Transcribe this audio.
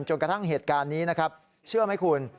จนกระทั่งเหตุการณ์นี้นะครับเชื่อไหมคุณ